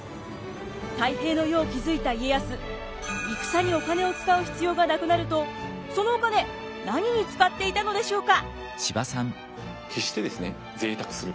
太平の世を築いた家康戦にお金を使う必要がなくなるとそのお金何に使っていたのでしょうか？